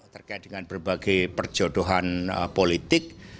terkait dengan berbagai perjodohan politik